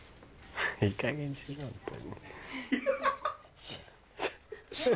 いいかげんにしろホントに。